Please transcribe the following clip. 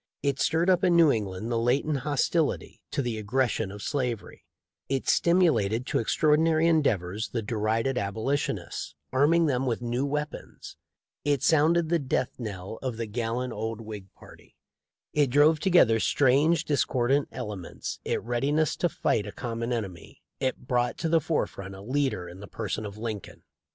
It stirred up in New England the latent hostility to the aggression of slavery; it stimulated to extraordinary endeavors the derided Abolitionists, arming them with new weapons ; it sounded the death knell of the gallant old Whig party ; it drove together strange, discordant elements it readiness to fight a common enemy ; it brought to the forefront a leader in the person of Lincoln.